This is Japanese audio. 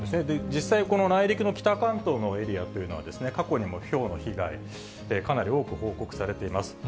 実際、この内陸の北関東のエリアというのは、過去にもひょうの被害、かなり多く報告されています。